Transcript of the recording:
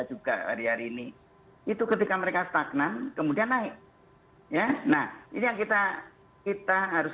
juga hari hari ini itu ketika mereka stagnan kemudian naik ya nah ini yang kita kita harus